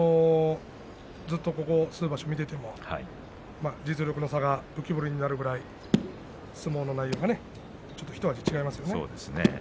ずっとここ数場所、見ていても実力の差が浮き彫りになるぐらい相撲の内容がね、ちょっとひと味違いますよね。